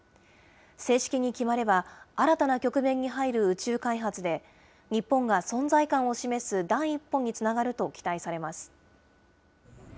正式に決まれば、新たな局面に入る宇宙開発で、日本が存在感を示す第一歩につながると期待されます。